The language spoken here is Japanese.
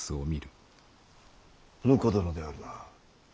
婿殿であるな。